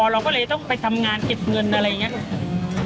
เราก็เลยต้องไปทำงานเก็บเงินอะไรอย่างนี้